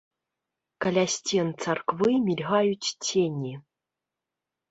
Каля сцен царквы мільгаюць цені.